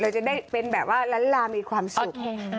จะได้เป็นแบบว่าล้านลามีความสุข